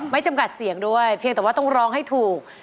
จำกัดเสียงด้วยเพียงแต่ว่าต้องร้องให้ถูก